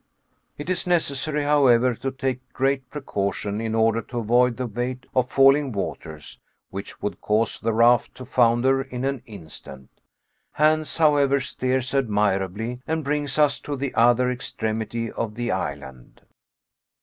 It is necessary, however, to take great precaution, in order to avoid the weight of falling waters, which would cause the raft to founder in an instant. Hans, however, steers admirably, and brings us to the other extremity of the island.